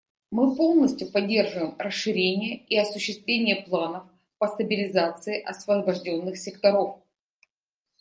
Мы полностью поддерживаем расширение и осуществление планов по стабилизации освобожденных секторов.